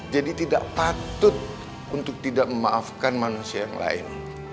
jadi tidak patut untuk tidak memaafkan manusia yang lain